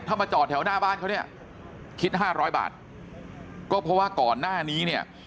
ถ้ามาจอดแถวหน้าบ้านเขาเนี่ยคิดห้าร้อยบาทก็เพราะว่าก่อนหน้านี้เนี่ย